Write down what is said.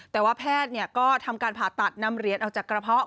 แต่ว่าแพทย์ก็ทำการผ่าตัดนำเหรียญออกจากกระเพาะ